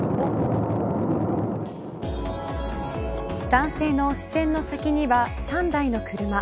男性の視線の先には３台の車。